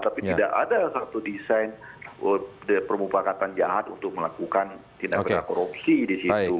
tapi tidak ada satu desain permupakatan jahat untuk melakukan tindakan korupsi disitu